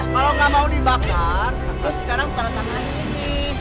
kalau gak mau dibakar terus sekarang taruh tangan ini